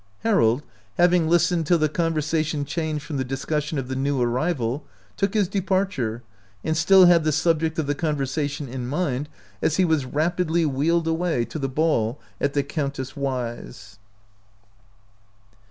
Harold, having listened till the conversa tion changed from the discussion of the new arrival, took his departure, and still had the subject of the conversation in mind as he was rapidly wheeled away to the ball at the Countess Y 's.